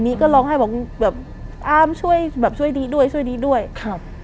ก็ร้องไห้บอกแบบอามช่วยแบบช่วยดีด้วยช่วยดีด้วยครับ